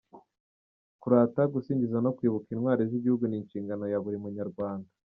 Kurata, gusingiza no kwibuka intwari z’igihugu ni inshingano ya buri munyarwanda”